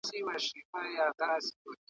دا وینا یې په څو څو ځله کوله `